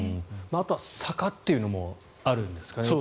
あとは坂というのもあるんですかね。